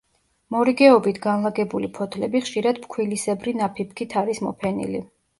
მორიგეობით განლაგებული ფოთლები ხშირად ფქვილისებრი ნაფიფქით არის მოფენილი.